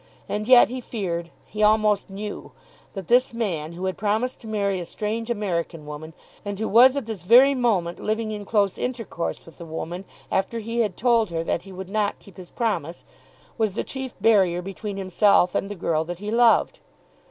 And yet he feared, he almost knew, that this man, who had promised to marry a strange American woman and who was at this very moment living in close intercourse with the woman after he had told her that he would not keep his promise, was the chief barrier between himself and the girl that he loved.